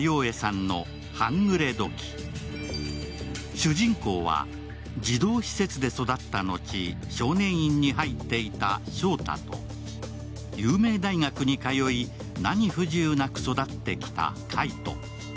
主人公は児童施設で育った後、少年院に入っていた翔太と有名大学に通い、何不自由なく育ってきた海斗。